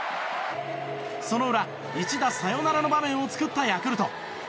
その裏、一打サヨナラの場面を作ったヤクルト。